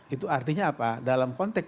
itu artinya apa dalam konteks